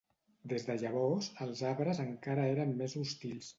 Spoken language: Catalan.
Des de llavors, els arbres encara eren més hostils.